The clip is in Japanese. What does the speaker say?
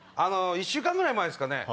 １週間ぐらい前っすかね。